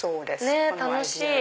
楽しい！